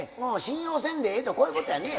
信用せんでええとこういうことやね。